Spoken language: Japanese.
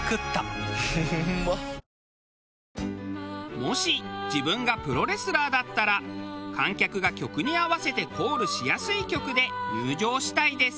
もし自分がプロレスラーだったら観客が曲に合わせてコールしやすい曲で入場したいです。